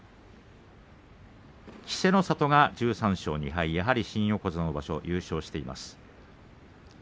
稀勢の里１３勝２敗新横綱の場所、優勝しています。